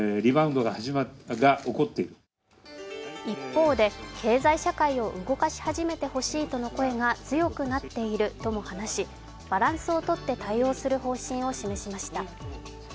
一方で経済社会を動かし始めてほしいとの声が強まっているとも話し、バランスをとって対応する方針を示しました。